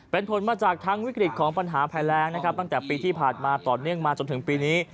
เป็นผลมาจากทั้งวิกฤตของปัญหาภัยแรงนะครับตั้งแต่ปีที่ผ่านมาต่อเนื่องมาจนถึงปีนี้